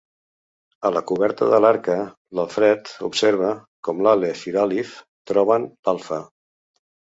A la coberta de l'Arca l'Alfred observa com l'Àlef i l'Àlif troben l'Alfa.